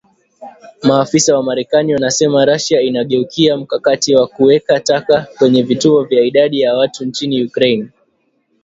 Maafisa wa marekani wanasema Russia “inageukia mkakati wa kuweka taka kwenye vituo vya idadi ya watu nchini Ukraine.”